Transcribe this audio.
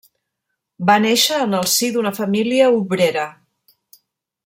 Va néixer en el si d'una família obrera.